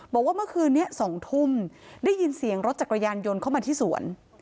บอกว่าเมื่อคืนนี้๒ทุ่มได้ยินเสียงรถจักรยานยนต์เข้ามาที่สวน